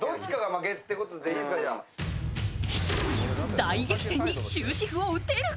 大激戦に終止符を打てるか。